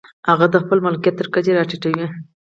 هغه د خپل ملکیت تر کچې را ټیټوو.